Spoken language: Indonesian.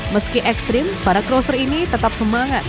meski ekstrim para crosser ini tetap semangat